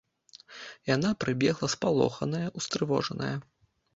Яна прыбегла спалоханая, устрывожаная.